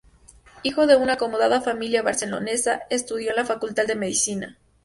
Hijo de una acomodada familia barcelonesa, estudió en la Facultad de Medicina.